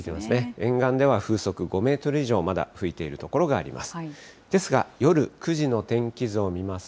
沿岸では風速５メートル以上、まだ吹いている所があります。